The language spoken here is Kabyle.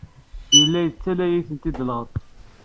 Yella yettaley-ten-id lɣeṭṭ.